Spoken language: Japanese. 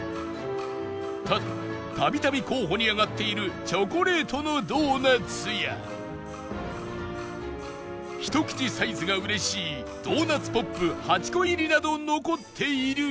ただ度々候補に挙がっているチョコレートのドーナツやひと口サイズが嬉しいドーナツポップ８個入りなど残っているが